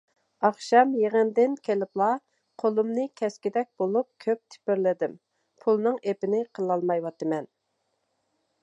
ئاخشام يىغىندىن كېلىپلا قولۇمنى كەسكۈدەك بولۇپ كۆپ تېپىرلىدىم، پۇلنىڭ ئېپىنى قىلالمايۋاتىمەن.